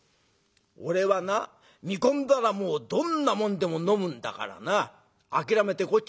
俺はな見込んだらもうどんなもんでも飲むんだからな諦めてこっちへ来い」。